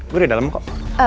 gue udah dalem kok